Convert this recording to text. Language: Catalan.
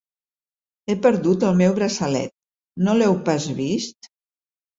He perdut el meu braçalet. No l heu pas vist?